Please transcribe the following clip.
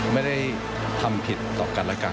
ไม่ได้ทำผิดต่อกันและกัน